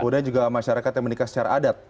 kemudian juga masyarakat yang menikah secara adat